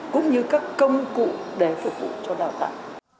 cũng như các công cụ để phục vụ cho đào tạo